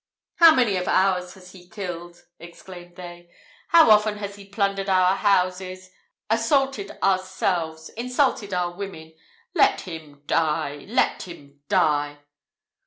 "How many of ours has he killed!" exclaimed they. "How often has he plundered our houses, assaulted ourselves, insulted our women! Let him die! let him die!"